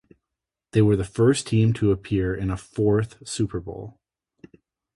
They were the first team to appear in a fourth Super Bowl.